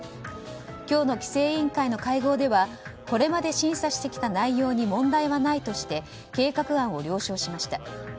今日の規制委員会の会合ではこれまで審査してきた内容に問題はないとして計画案を了承しました。